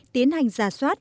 tiến hành giả soát